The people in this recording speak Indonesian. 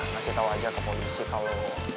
masih tau aja ke polisi kalo